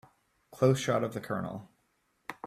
Close shot of the COLONEL.